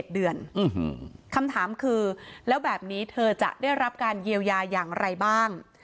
คำถามคือแล้วแบบนี้เธอจะได้รับการเยียวยาอย่างไรบ้าง